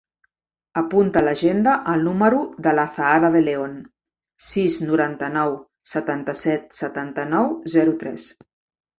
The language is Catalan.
Apunta a l'agenda el número de l'Azahara De Leon: sis, noranta-nou, setanta-set, setanta-nou, zero, tres.